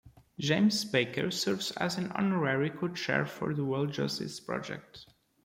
James Baker serves as an Honorary Co-Chair for the World Justice Project.